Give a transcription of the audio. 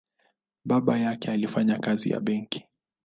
Babake alifanya kazi ya benki.